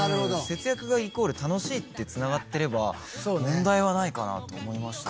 節約がイコール楽しいって繋がってれば問題はないかなと思いました。